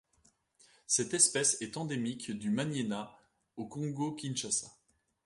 Cette espèce est endémique du Maniema au Congo-Kinshasa.